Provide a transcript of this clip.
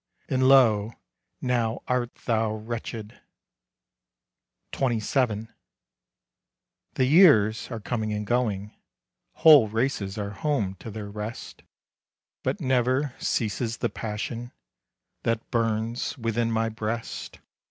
And lo! now art thou wretched. XXVII. The years are coming and going, Whole races are home to their rest; But never ceases the passion That burns within my breast.